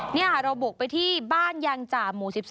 นี่ค่ะเราบุกไปที่บ้านยางจ่าหมู่๑๒